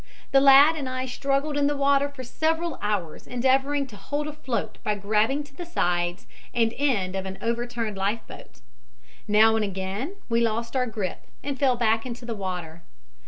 The lad and I struggled in the water for several hours endeavoring to hold afloat by grabbing to the sides and end of an overturned life boat. Now and again we lost our grip and fell back into the water.